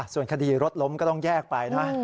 ส่วนคดีรถล้มก็ต้องแยกไปนะ